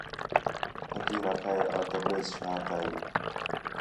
پھقیر آکھا ہِے آں تبریز شہر تا ہیں